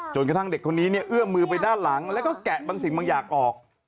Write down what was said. กระทั่งเด็กคนนี้เนี่ยเอื้อมมือไปด้านหลังแล้วก็แกะบางสิ่งบางอย่างออก